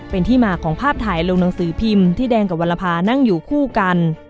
เป็นที่มาของภาพถ่ายลงหนังสือพิมพ์ที่แดงกับวรภานั่งอยู่คู่กัน